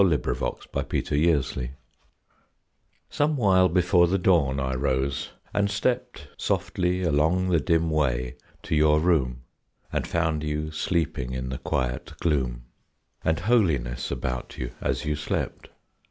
A MEMORY (From a sonnet sequence) Somewhile before the dawn I rose, and stept Softly along the dim way to your room, And found you sleeping in the quiet gloom, And holiness about you as you slept.